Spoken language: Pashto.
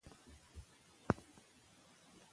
وزیرفتح خان د خپلې مړینې پر مهال مېړانه ښکاره کړه.